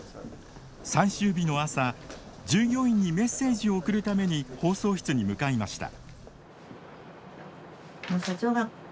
最終日の朝従業員にメッセージを送るために放送室に向かいました。